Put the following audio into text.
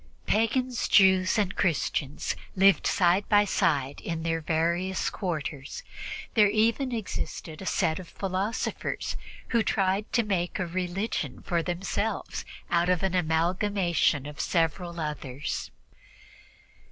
Pagans, Jews and Christians lived side by side in their various quarters; there even existed a set of philosophers who tried to make a religion for themselves out of an amalgamation of several others.